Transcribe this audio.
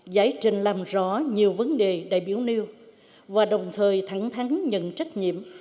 giải trình làm rõ nhiều vấn đề đại biểu nêu và đồng thời thẳng thắng nhận trách nhiệm